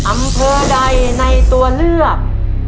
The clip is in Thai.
อำเภอใดในตัวเลือก